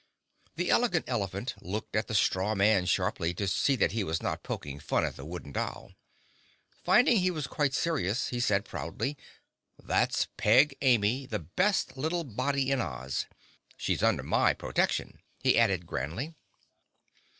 The Elegant Elephant looked at the Straw Man sharply, to see that he was not poking fun at the Wooden Doll. Finding he was quite serious, he said proudly, "That's Peg Amy, the best little body in Oz. She's under my protection," he added grandly.